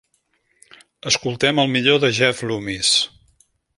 Escoltem el millor de Jeff Loomis.